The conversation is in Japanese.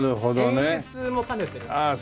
演出も兼ねてるんですよね。